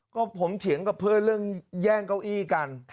ก็ผมเถียงกับเพื่อนเรื่องแย่งเก้าอี้กัน